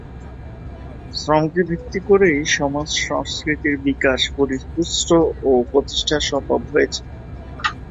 শ্রমকে ভিত্তি করেই সমাজ সংস্কৃতির বিকাশ, পরিপুষ্ট ও প্রতিষ্ঠা সম্ভব হয়েছে।